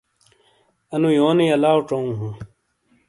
انو یونیا تو لاؤ ڇؤوں ہوں۔